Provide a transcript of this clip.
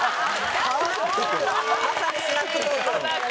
まさにスナックトーク。